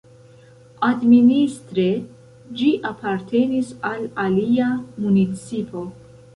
Administre ĝi apartenis al alia municipo.